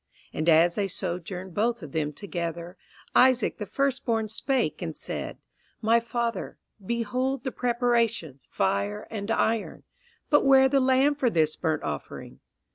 And as they sojourned both of them together, Isaac the first born spake and said, My Father, Behold the preparations, fire and iron, But where the lamb for this burnt offering?